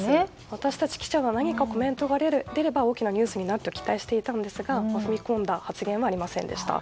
私たち記者は何かコメントが出れば大きなニュースになると期待していたんですが踏み込んだ発言はありませんでした。